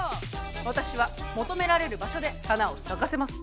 私は求められる場所で花を咲かせます。